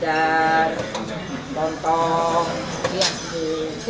dengan dadar lontok kiasi